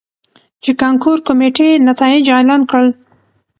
،چې کانکور کميټې نتايج اعلان کړل.